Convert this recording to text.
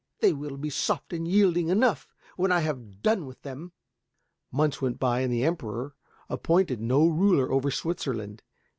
They will be soft and yielding enough when I have done with them." Months went by and the Emperor appointed no ruler over Switzerland.